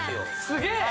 すげえ！